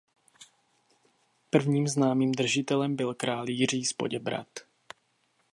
Prvním známým držitelem byl král Jiří z Poděbrad.